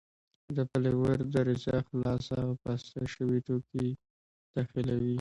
د پلیور دریڅه خلاصه او پاسته شوي توکي داخلوي.